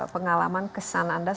pengalaman kesan anda